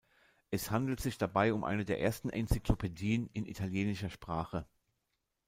Es handelt sich dabei um eine der ersten Enzyklopädien in italienischer Sprache.